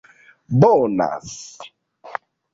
Bonas